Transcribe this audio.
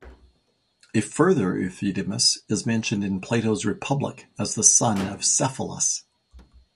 A further Euthydemus is mentioned in Plato's "Republic" as the son of Cephalus.